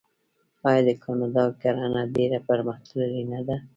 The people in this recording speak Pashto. آیا د کاناډا کرنه ډیره پرمختللې نه ده؟